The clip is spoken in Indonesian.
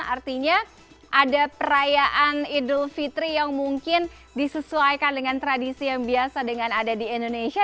artinya ada perayaan idul fitri yang mungkin disesuaikan dengan tradisi yang biasa dengan ada di indonesia